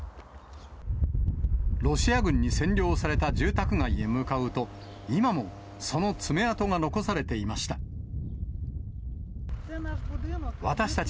ロシア軍に占領された住宅街に向かうと、今もその爪痕が残されていました。